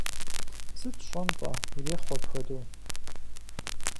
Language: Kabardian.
Сыт сщӀэн-тӀэ, ирехъу апхуэдэу.